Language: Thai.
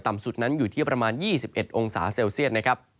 ต่ำสุดนั้นอยู่ที่ประมาณ๒๑องศาเซลเซียต